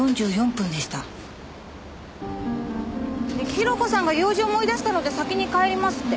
広子さんが「用事を思い出したので先に帰ります」って。